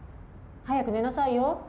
早く寝なさいよ。